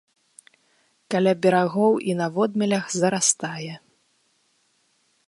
Каля берагоў і на водмелях зарастае.